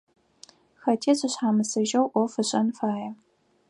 Хэти зышъхьамысыжьэу ӏоф ышӏэн фае.